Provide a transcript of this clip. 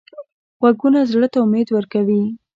غږونه زړه ته امید ورکوي